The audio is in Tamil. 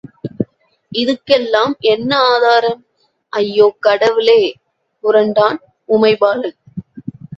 இதுக்கெல்லாம் என்ன ஆதாரம்? ″ ″ஐயோ, கடவுளே! புரண்டான் உமைபாலன்.